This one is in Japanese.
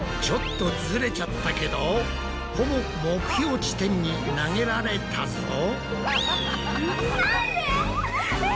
ちょっとズレちゃったけどほぼ目標地点に投げられたぞ。